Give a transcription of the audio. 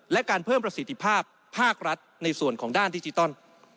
และการเพิ่มประสิทธิภาพภาครัฐในส่วนของด้านดิจิตอล